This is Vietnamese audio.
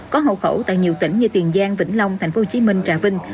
có hậu khẩu tại nhiều tỉnh như tiền giang vĩnh long tp hcm trà vinh